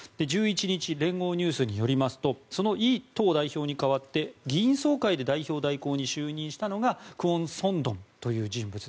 １１日聯合ニュースによりますとそのイ党代表に代わって議員総会で代表代行に就任したのがクォン・ソンドンという人物。